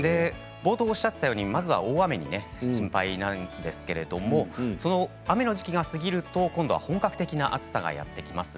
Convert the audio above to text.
冒頭おっしゃっていたようにまずは大雨が心配なんですが雨の時期が過ぎると今度は本格的な暑さがやってきます。